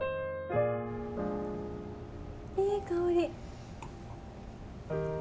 いい香り。